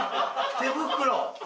手袋！